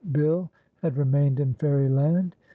Bill had remained in Fairyland.